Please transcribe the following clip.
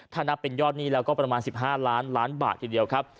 ถ้านับเป็นยอดหนี้แล้วก็ประมาณ๑๕ล้านล้านบาททีเดียวครับ